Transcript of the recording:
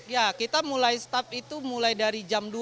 ya kita mulai stop itu mulai dari jam dua